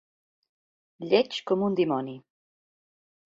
Lleig com un dimoni.